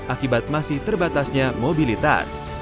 akibat masih terbatasnya mobilitas